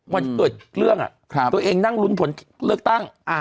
วันที่เกิดเรื่องตัวเองนั่งลุ้นผลเลือกตั้ง